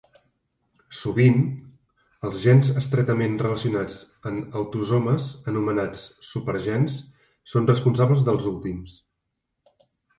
Sovint, els gens estretament relacionats en autosomes anomenats "supergens" són responsables dels últims.